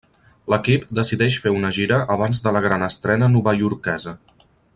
L'equip decideix fer una gira abans de la gran estrena novaiorquesa.